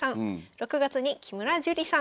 ６月に木村朱里さん。